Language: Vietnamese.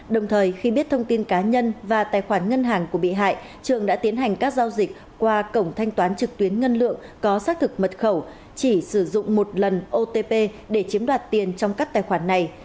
đồng thời khi biết thông tin cá nhân và tài khoản ngân hàng của bị hại trường đã tiến hành các giao dịch qua cổng thanh toán trực tuyến ngân lượng có xác thực mật khẩu chỉ sử dụng một lần otp để chiếm đoạt tiền trong các tài khoản này